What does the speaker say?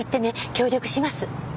協力します。